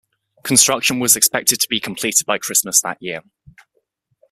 Construction was expected to be completed by Christmas that year.